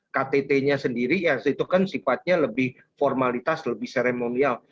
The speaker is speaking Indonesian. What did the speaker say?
ktt nya sendiri itu kan sifatnya lebih formalitas lebih seremonial